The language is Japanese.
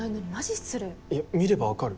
いや見れば分かる。